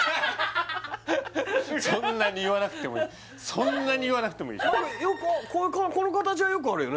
そんなに言わなくてもいいそんなに言わなくてもいいこの形はよくあるよね